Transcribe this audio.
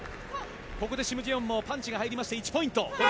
ここでシム・ジェヨンもパンチが入りまして１ポイント。